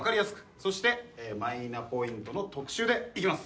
そしてえぇマイナポイントの特集でいきます。